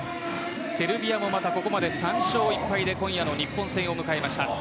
セルビアもまた、ここまで３勝１敗で今夜の日本戦を迎えました。